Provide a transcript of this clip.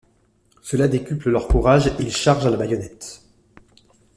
Cela décuple leur courage et ils chargent à la baïonnette.